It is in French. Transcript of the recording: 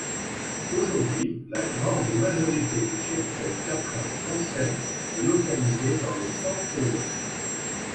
Aujourd'hui la grande majorité du cheptel caprin français est localisé dans le centre-ouest.